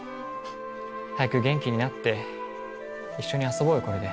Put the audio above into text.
早く元気になって一緒に遊ぼうよこれで。